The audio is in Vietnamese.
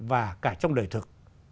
và cả trong đời thực